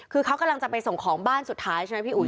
คือเขากำลังจะไปส่งของบ้านสุดท้ายใช่ไหมพี่อุ๋